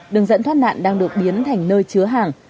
đường dẫn thoát nạn đang được biến thành nơi chứa hàng